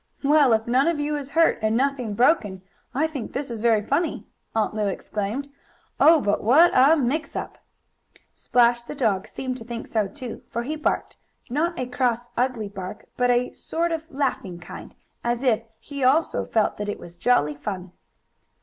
"Well, if none of you is hurt, and nothing broken, I think this is very funny!" Aunt Lu exclaimed. "Oh, but what a mix up!" Splash, the big dog, seemed to think so too, for he barked not a cross, ugly bark, but a sort of laughing kind as if, he, also, felt that it was jolly fun.